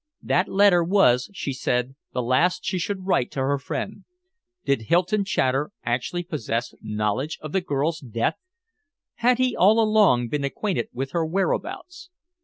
That letter was, she said, the last she should write to her friend. Did Hylton Chater actually possess knowledge of the girl's death? Had he all along been acquainted with her whereabouts?